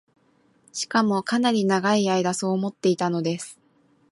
しかも、かなり永い間そう思っていたのです